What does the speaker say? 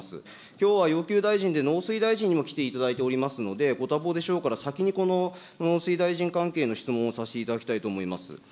きょうは要求大臣で農水大臣にも来ていただいておりますので、ご多忙でしょうから、先にこの農水大臣関係の質問をさせていただきたいと思います。